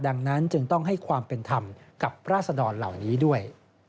ดังนั้นจึงต้องให้ความเป็นธรรมกับราศดรเหล่านี้ด้วย